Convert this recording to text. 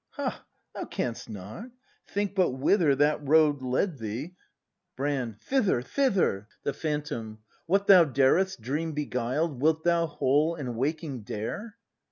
Ha, thou canst not! Think but whither That road led thee 296 BRAND [act v Brand. Thither! Thither! The Phantom. What thou dared 'st, dream beguiled, Wilt thou, whole and waking, dare